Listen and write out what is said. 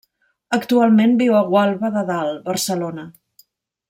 Actualment viu a Gualba de Dalt, Barcelona.